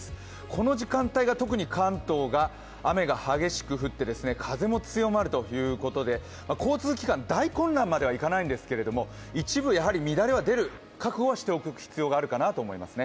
この時間帯が特に関東が雨が激しく降って風も強まるということで交通機関、大混乱まではいかないんですけども一部、乱れは出る覚悟はしておく必要はあるかなと思います。